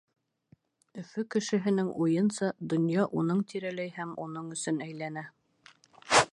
Өфө кешеһенең уйынса, донъя уның тирәләй һәм уның өсөн әйләнә.